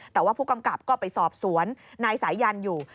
แต่ว่าผู้กำกับก็ไปสอบสวนนายสายันอยู่